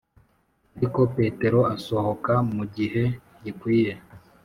ariko petero asohoka mu gihe gikwiye,